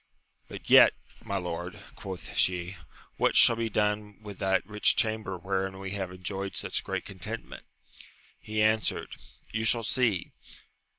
But yet, my lord, quoth she, what shall be done with that rich chamber wherein we have enjoyed such great contentment ? He answered. You shall see.